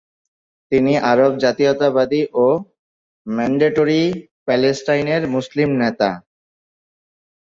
তিনি আরব জাতীয়তাবাদী ও মেন্ডেটরি প্যালেস্টাইনের মুসলিম নেতা।